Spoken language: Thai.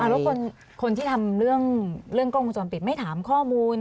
แล้วคนที่ทำเรื่องกล้องวงจรปิดไม่ถามข้อมูล